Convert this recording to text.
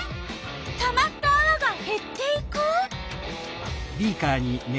たまったあわがへっていく！